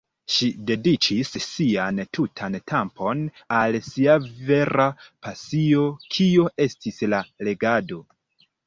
Ŝi dediĉis sian tutan tempon al sia vera pasio kio estis la legado.